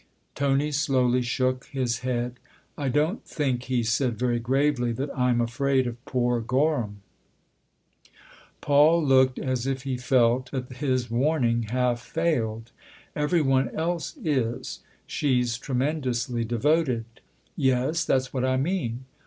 Tony slowly shook his head. "I don't think," he said very gravely, "that I'm afraid of poor Gorham." 3 c8 THE OTHER HOUSE Paul looked as if he felt that his warning half failed. " Every one else is. She's tremendously devoted." " Yes that's what I mean."